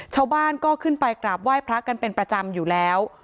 ชาวบ้านก็ขึ้นไปกราบไหว้พระกันเป็นประจำอยู่แล้ว